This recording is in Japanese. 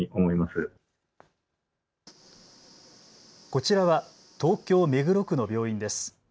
こちらは東京目黒区の病院です。